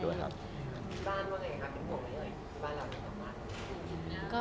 มีมีคนมาช่วยนุษย์ด้วยครับ